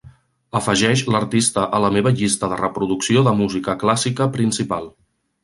Afegeix l'artista a la meva llista de reproducció de música clàssica principal.